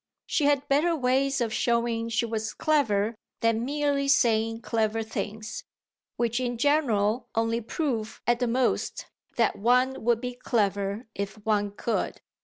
She had better ways of showing she was clever than merely saying clever things which in general only prove at the most that one would be clever if one could.